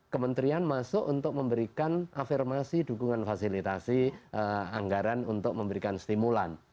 kementerian masuk untuk memberikan afirmasi dukungan fasilitasi anggaran untuk memberikan stimulan